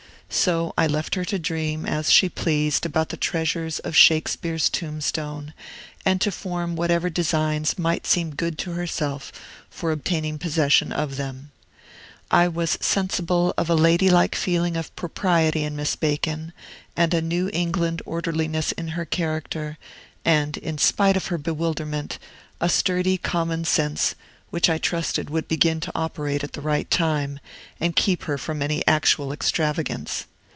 So I left her to dream as she pleased about the treasures of Shakespeare's tombstone, and to form whatever designs might seem good to herself for obtaining possession of them. I was sensible of a ladylike feeling of propriety in Miss Bacon, and a New England orderliness in her character, and, in spite of her bewilderment, a sturdy common sense, which I trusted would begin to operate at the right time, and keep her from any actual extravagance.